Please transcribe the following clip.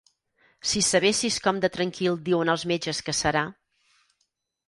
Si sabessis com de tranquil diuen els metges que serà.